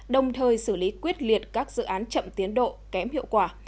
đồng thời xử lý quyết liệt các dự án chậm tiến độ kém hiệu quả